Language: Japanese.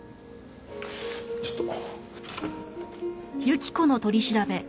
ちょっと。